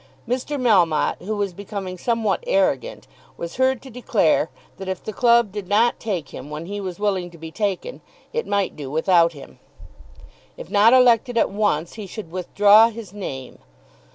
Mr. Melmotte, who was becoming somewhat arrogant, was heard to declare that if the club did not take him when he was willing to be taken, it might do without him. If not elected at once, he should withdraw his name.